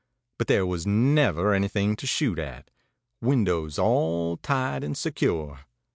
But there was never anything to shoot at windows all tight and secure.